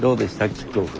キックオフ。